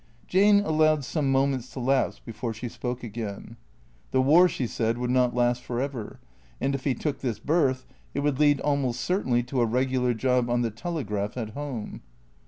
Jane allowed some moments to lapse before she spoke again. The war, she said, would not last for ever; and if he took this berth, it would lead almost certainly to a regular job on the " Telegraph '' at home.